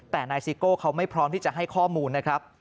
แต่นายซิโก้เขาไม่พร้อมที่จะให้ข้อมูลนะครับ